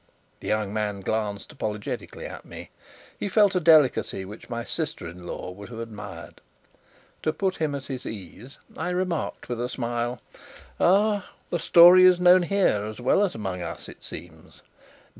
The young man glanced apologetically at me. He felt a delicacy which my sister in law would have admired. To put him at his ease, I remarked with a smile: "Ah! the story is known here as well as among us, it seems."